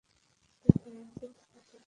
তার সঙ্গীতের শুরু ছেলেবেলা থেকেই।